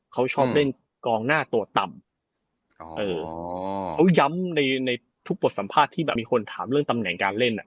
เขาชอบเล่นกองหน้าตัวต่ำเอออ๋อเขาย้ำในในทุกบทสัมภาษณ์ที่แบบมีคนถามเรื่องตำแหน่งการเล่นอ่ะ